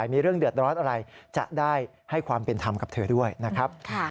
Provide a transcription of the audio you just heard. มีเรื่องเดือดร้อนอะไรจะได้ให้ความเป็นธรรมกับเธอด้วยนะครับ